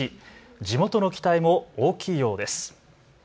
地元の期待も大きいようです。